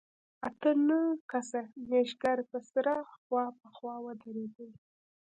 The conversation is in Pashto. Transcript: اته نه کسه نېشګر به سره خوا په خوا ودرېدل.